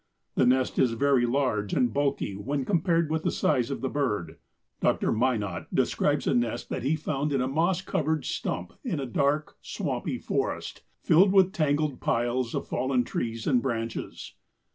The nest is very large and bulky when compared with the size of the bird. Dr. Minot describes a nest that he found in a moss covered stump in a dark, swampy forest filled with tangled piles of fallen trees and branches.